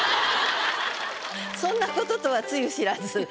そんなこととはつゆ知らず。